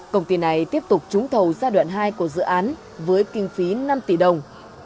công ty này tiếp tục trúng thầu giai đoạn hai của dự án với kinh phí năm tỷ đồng